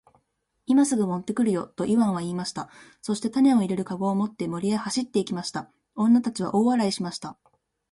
「今すぐ持って来るよ。」とイワンは言いました。そして種を入れる籠を持って森へ走って行きました。女たちは大笑いしました。